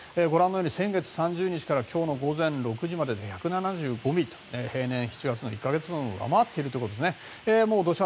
先月３０日から今日の午前６時までで１７５ミリと平年７月の１か月分を上回っているんですね。